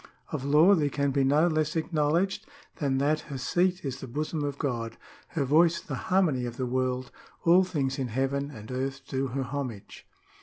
^ "Of law there can be no less acknowledged, than that her seat is the bosom of God, her voice the harmony of the world, all things in heaven and earth do her homage."